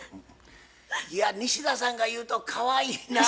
いや西田さんが言うとかわいいなぁ。